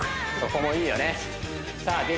そこもいいよねさあ